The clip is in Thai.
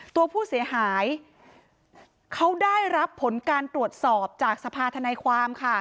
ตัวผู้เสียหายเขาได้รับผลการตรวจสอบจากสภาธนายความค่ะ